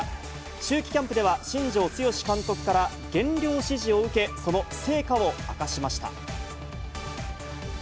秋季キャンプでは、新庄剛志監督から減量指示を受け、その成果を明かしました。